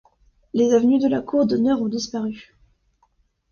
Les avenues de la cour d’honneur ont disparu.